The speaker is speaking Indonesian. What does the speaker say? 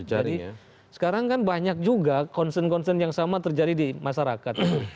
jadi sekarang kan banyak juga concern concern yang sama terjadi di masyarakat